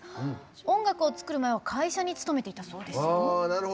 音楽を作る前は会社に勤めていたそうですよ。